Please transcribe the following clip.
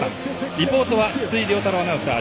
リポートは筒井亮太郎アナウンサー。